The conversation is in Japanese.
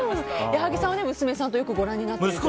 矢作さんは娘さんとよくご覧になってたと。